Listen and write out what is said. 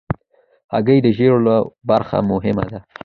هګۍ د ژیړو برخه مهمه ده.